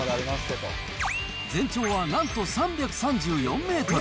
全長はなんと３３４メートル。